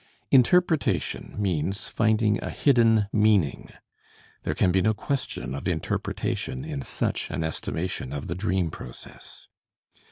Interpretation means finding a hidden meaning. There can be no question of interpretation in such an estimation of the dream process.